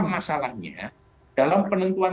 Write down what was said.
hasilnya dalam penentuan